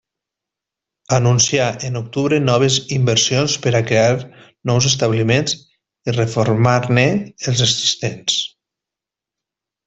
Anuncià en octubre noves inversions per a crear nous establiments i reformar-ne els existents.